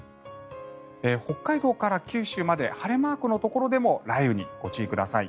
北海道から九州まで晴れマークのところでも雷雨にご注意ください。